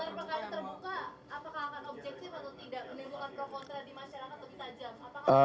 menimbulkan pro kontra di masyarakat lebih tajam